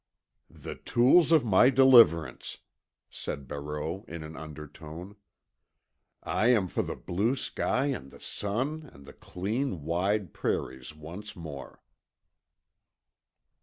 "The tools of my deliverance," said Barreau in an undertone. "I am for the blue sky and the sun and the clean, wide prairies once more."